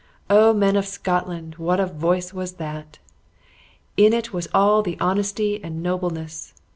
O! men of Scotland, what a voice was that! In it was all honesty and nobleness!